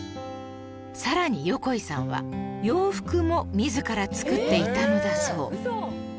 さらに横井さんは洋服も自ら作っていたのだそう